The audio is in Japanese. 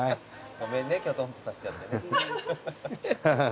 ごめんねきょとんとさせちゃって。